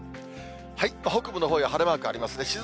北部のほうに晴れマークありますね。